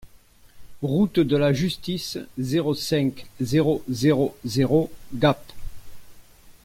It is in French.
Route de la Justice, zéro cinq, zéro zéro zéro Gap